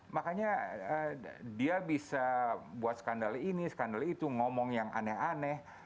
makanya dia bisa buat skandal ini skandal itu ngomong yang aneh aneh